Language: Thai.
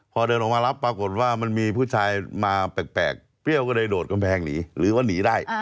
พอเดินออกมารับปรากฏว่ามันมีผู้ชายมาแปลกเปรี้ยวก็เลยโดดกำแพงหนีหรือว่าหนีได้